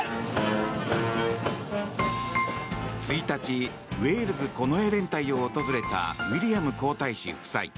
１日、ウェールズ近衛連隊を訪れたウィリアム皇太子夫妻。